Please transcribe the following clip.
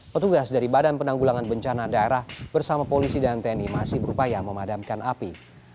petugas dari badan penanggulangan bencana daerah bersama polisi dan tni masih berupaya memadamkan api